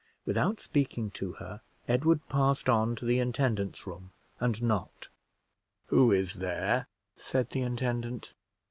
Without speaking to her, Edward passed on to the intendant's room, and knocked. "Who is there?" said the intendant.